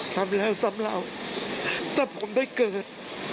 ซ้ำแล้วซ้ำเหล่าแต่ผมได้เกิด